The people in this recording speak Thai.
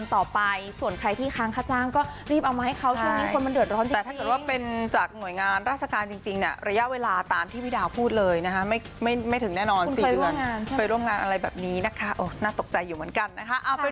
ถ้าเกิดว่าเป็นจากหน่วยงานราชการจริงจริงเนี้ยระยะเวลาตามที่พี่ดาวพูดเลยนะคะไม่ไม่ไม่ถึงแน่นอนสี่เดือนไปร่วมงานอะไรแบบนี้นะคะโอ๊ยน่าตกใจอยู่เหมือนกันนะคะ